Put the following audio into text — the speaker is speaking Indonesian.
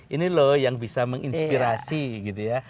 ini loh yang bisa menginspirasi gitu ya